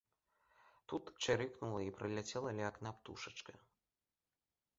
Тут чырыкнула і праляцела ля акна птушачка.